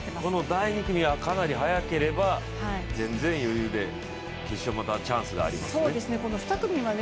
第２組がかなり早ければ全然余裕で決勝、まだチャンスがありますね。